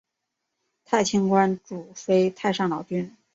太清观主祀太上老君。